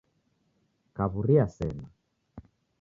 Kawuria sena